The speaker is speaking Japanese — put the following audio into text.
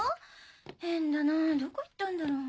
変だなどこ行ったんだろ？